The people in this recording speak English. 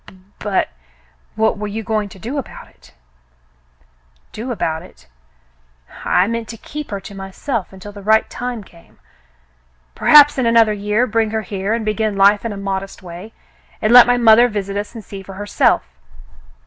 "B — but what were you going to do about it .f* " Do about it.^ I meant to keep her to myself until the right time came. Perhaps in another year bring her here and begin life in a modest way, and let my mother visit us and see for herself.